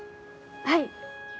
はい。